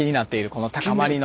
この高まりの。